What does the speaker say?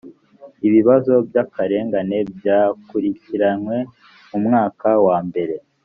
ibibazo by akarengane byakurikiranywe mu mwaka wa mbere